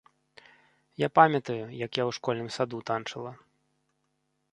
Я памятаю, як я ў школьным саду танчыла.